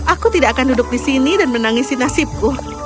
aku tidak akan duduk di sini dan menangisi nasibku